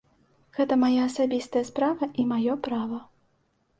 Гэта мая асабістая справа і маё права.